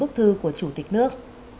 bức thư của chủ tịch nước